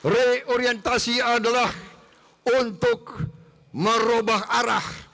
reorientasi adalah untuk merubah arah